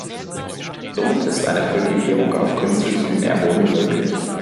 Somit ist eine Kultivierung auf künstlichem Nährboden möglich.